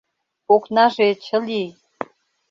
Окнаже чылий.